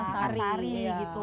sama asari gitu